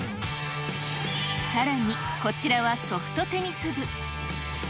さらに、こちらはソフトテニス部。